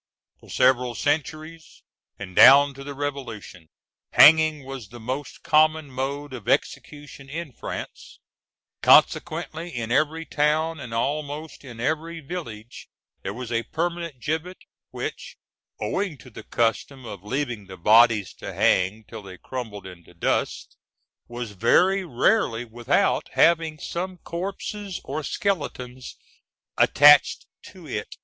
For several centuries, and down to the Revolution, hanging was the most common mode of execution in France; consequently, in every town, and almost in every village, there was a permanent gibbet, which, owing to the custom of leaving the bodies to hang till they crumbled into dust, was very rarely without having some corpses or skeletons attached to it.